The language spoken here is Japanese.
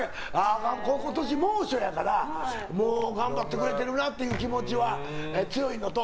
今年、猛暑やから頑張ってくれてるなという気持ちは強いのと。